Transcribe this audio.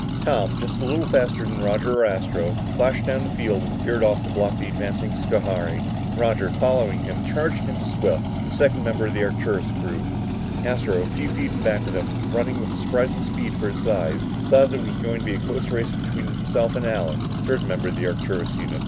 Tom, just a little faster than Roger or Astro, flashed down the field and veered off to block the advancing Schohari. Roger, following him, charged into Swift, the second member of the Arcturus crew. Astro, a few feet in back of them, running with surprising speed for his size, saw that it was going to be a close race between himself and Allen, the third member of the Arcturus unit.